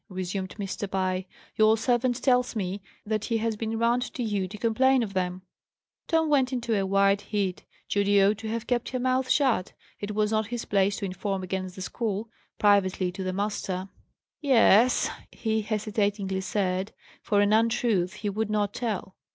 resumed Mr. Pye. "Your servant tells me that he has been round to you to complain of them." Tom went into a white heat. Judy ought to have kept her mouth shut. It was not his place to inform against the school, privately, to the master. "Y es," he hesitatingly said, for an untruth he would not tell.